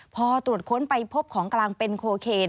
พอตรวจค้นไปพบของกลางเป็นโคเคน